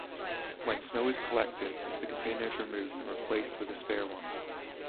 When snow is collected, the container is removed and replaced with a spare one.